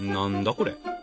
これ。